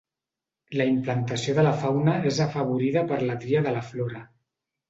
La implantació de la fauna és afavorida per la tria de la flora.